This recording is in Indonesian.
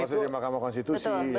proses di mahkamah konstitusi